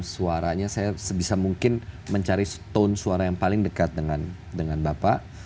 suaranya saya sebisa mungkin mencari stone suara yang paling dekat dengan bapak